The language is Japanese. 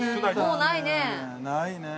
もうないね。